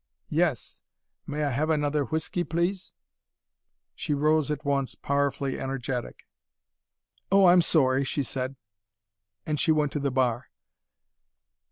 "Yes. May I have another whiskey, please?" She rose at once, powerfully energetic. "Oh, I'm sorry," she said. And she went to the bar.